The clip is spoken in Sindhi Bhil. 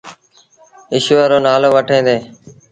ايٚشور رو نآلو وٺيٚن ديٚݩ۔